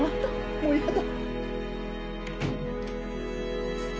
もうやだ。